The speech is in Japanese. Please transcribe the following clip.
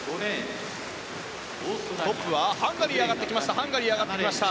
トップはハンガリーが上がってきました。